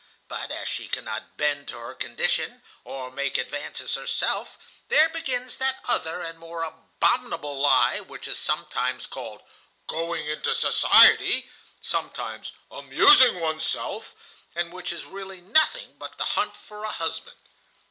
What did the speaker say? But as she cannot bend to her condition, or make advances herself, there begins that other and more abominable lie which is sometimes called going into society, sometimes amusing one's self, and which is really nothing but the hunt for a husband.